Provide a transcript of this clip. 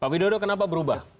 pak widodo kenapa berubah